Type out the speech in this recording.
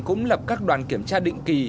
cũng lập các đoàn kiểm tra định kỳ